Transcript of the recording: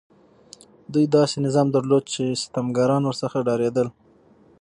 دوی داسې نظام درلود چې ستمګران ورڅخه ډارېدل.